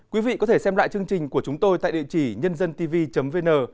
quý vị có thể xem lại chương trình của chúng tôi tại địa chỉ nhândântv vn